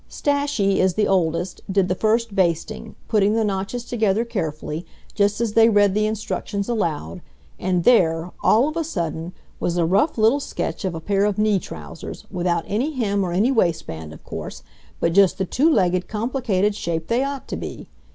Stashie, as the oldest, did the first basting, putting the notches together carefully, just as they read the instructions aloud, and there, all of a sudden, was a rough little sketch of a pair of knee trousers, without any hem or any waist band, of course, but just the two legged, complicated shape they ought to be!